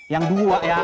yang dua ya